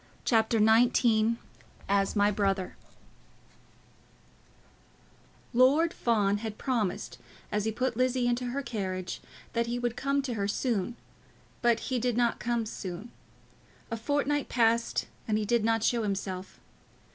CHAPTER XIX "As My Brother" Lord Fawn had promised, as he put Lizzie into her carriage, that he would come to her soon, but he did not come soon. A fortnight passed and he did not show himself.